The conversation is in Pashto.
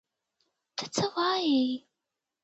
ته څه وایې!؟